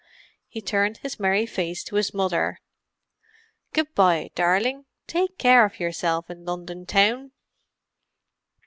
He turned his merry face to his mother. "Good bye, darling! Take care of yourself in London Town!"